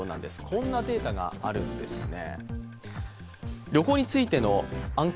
こんなデータがあるんですね。